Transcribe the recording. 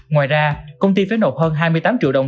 ngoài ra công ty phải nộp hơn hai mươi tám triệu đồng